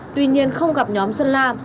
tuy nhiên không gặp nhóm xuân la